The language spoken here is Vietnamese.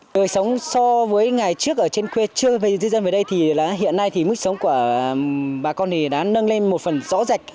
người sống so với ngày trước ở trên quê chưa về dân về đây hiện nay mức sống của bà con đã nâng lên một phần rõ rạch